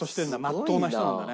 まっとうな人なんだね。